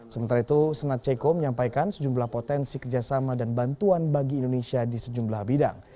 sementara itu senat ceko menyampaikan sejumlah potensi kerjasama dan bantuan bagi indonesia di sejumlah bidang